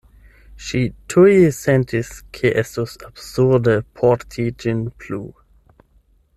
Ŝi tuj sentis ke estus absurde porti ĝin plu.